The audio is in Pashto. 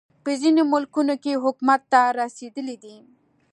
په ځینو ملکونو کې حکومت ته رسېدلی دی.